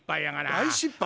大失敗。